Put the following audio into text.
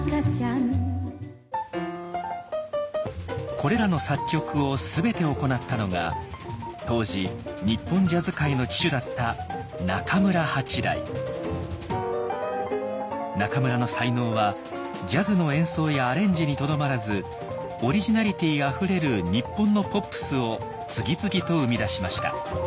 これらの作曲を全て行ったのが当時日本ジャズ界の旗手だった中村の才能はジャズの演奏やアレンジにとどまらずオリジナリティーあふれる日本のポップスを次々と生み出しました。